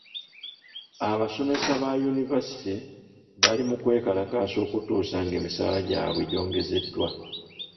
Abasomesa ba yunivasite bali mu kwekalakaasa okutuusa ng'emisaala gyabwe gyongezeddwa.